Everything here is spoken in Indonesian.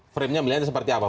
framenya milihannya seperti apa